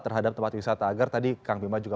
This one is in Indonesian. terhadap tempat wisata agar tadi kang bima juga